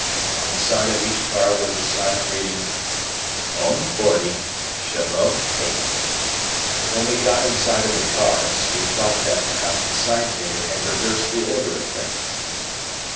On the side of each car was a sign reading "Hommes 40, Cheveux 8." When we got inside of the cars, we thought that perhaps the sign painter had reversed the order of things.